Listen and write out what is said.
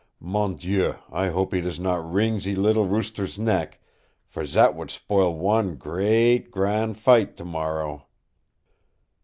Mon Dieu, I hope he does not wring ze leetle rooster's neck, for zat would spoil wan great, gran' fight tomorrow!"